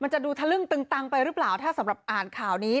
จะดูทะลึ่งตึงตังไปหรือเปล่าถ้าสำหรับอ่านข่าวนี้